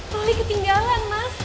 loli ketinggalan mas